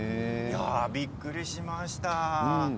びっくりしました。